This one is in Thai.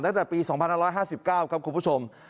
ตั้งแต่ปี๒๕๕๙ครับคุณผู้ชม